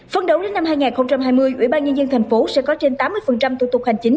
phấn đấu đến năm hai nghìn hai mươi ủy ban nhân dân thành phố sẽ có trên tám mươi thủ tục hành chính